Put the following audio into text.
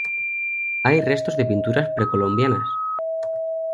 Hay restos de pinturas precolombinas.